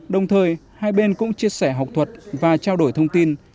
đồng thời hai bên cũng chia sẻ học thuật và trao đổi thông tin